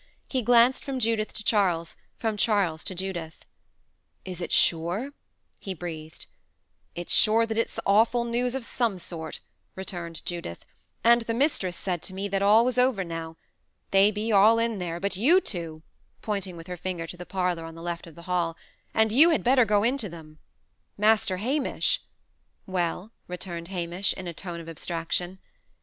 He glanced from Judith to Charles, from Charles to Judith. "Is it sure?" he breathed. "It's sure that it's awful news of some sort," returned Judith; "and the mistress said to me that all was over now. They be all in there, but you two," pointing with her finger to the parlour on the left of the hall; "and you had better go in to them. Master Hamish " "Well?" returned Hamish, in a tone of abstraction.